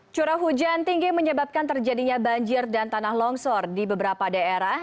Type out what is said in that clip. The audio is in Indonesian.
curah hujan tinggi menyebabkan terjadinya banjir dan tanah longsor di beberapa daerah